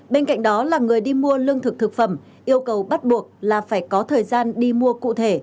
bên cạnh đó là người đi mua lương thực thực phẩm yêu cầu bắt buộc là phải có thời gian đi mua cụ thể